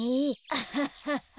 アハハハハ。